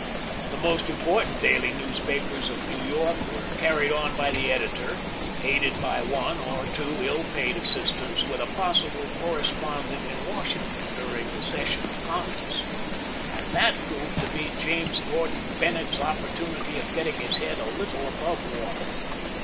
The most important daily newspapers of New York were carried on by the editor, aided by one or two ill paid assistants, with a possible correspondent in Washington during the session of Congress. And that proved to be James Gordon Bennett's opportunity of getting his head a little above water.